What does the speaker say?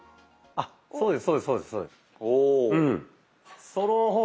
あっそうですね。